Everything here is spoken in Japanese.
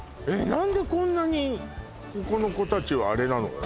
何でこんなにここの子たちはあれなの？